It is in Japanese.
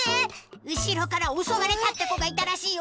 うしろからおそわれたってこがいたらしいよ。